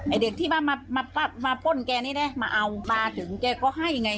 เด็กที่มามาป้นแกนี่นะมาเอามาถึงแกก็ให้ไง